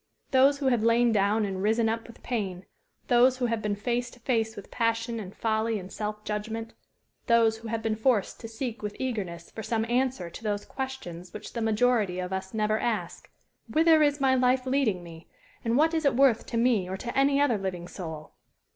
Those who have lain down and risen up with pain; those who have been face to face with passion and folly and self judgment; those who have been forced to seek with eagerness for some answer to those questions which the majority of us never ask, "Whither is my life leading me and what is it worth to me or to any other living soul?"